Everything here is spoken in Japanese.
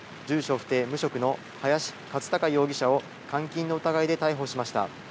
不定、無職の林一貴容疑者を監禁の疑いで逮捕しました。